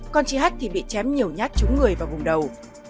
con chị h thì bị chém nhiều nhát trúng người vào vùng đầu